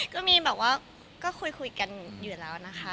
ก็มีแบบว่าก็คุยกันอยู่แล้วนะคะ